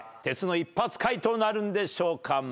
鉄の一発解答なるんでしょうか？